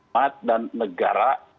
maat dan negara